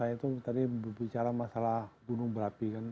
nah saya itu tadi bicara masalah gunung berapi kan